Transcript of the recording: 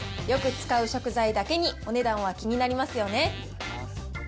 よく使う食材だけに、お値段は気になりますよね。